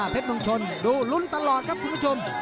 เมืองชนดูลุ้นตลอดครับคุณผู้ชม